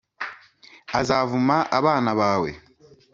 “Azavuma abana bawe,